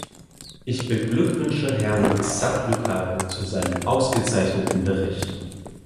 Ich beglückwünsche Herrn Zatloukal zu seinem ausgezeichneten Bericht.